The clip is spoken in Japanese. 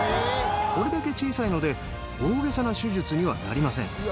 これだけ小さいので、大げさな手術にはなりません。